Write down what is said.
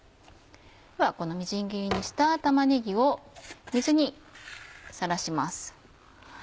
このみじん切りにした玉ねぎを水にさらします。